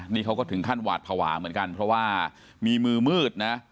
นี่เขาก็ถึงขั้นหวาดภาวะเหมือนกันเพราะว่ามีมือมืดนะ